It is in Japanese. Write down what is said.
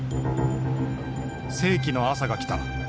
「世紀の朝が来た。